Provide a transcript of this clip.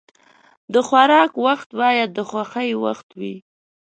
د خوراک وخت باید د خوښۍ وخت وي.